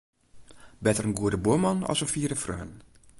Better in goede buorman as in fiere freon.